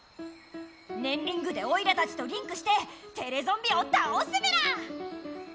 ねんリングでオイラたちとリンクしてテレゾンビをたおすメラ！